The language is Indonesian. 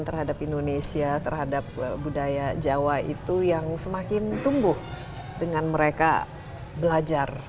terhadap indonesia terhadap budaya jawa itu yang semakin tumbuh dengan mereka belajar